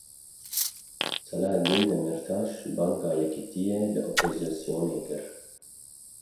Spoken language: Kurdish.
Selahedîn Demirtaş banga yekitiyê li opozîsyonê kir.